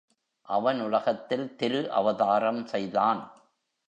அவன் உலகத்தில் திரு அவதாரம் செய்தான்.